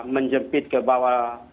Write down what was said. menjempit ke bawah